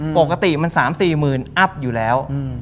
ปกติมัน๓๔หมื่นอัพอยู่แล้ว